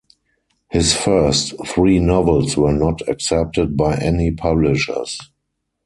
His first three novels were not accepted by any publishers.